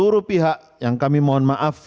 seluruh pihak yang kami mohon maaf